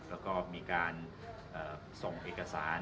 เราก็มีการส่งเอกสาร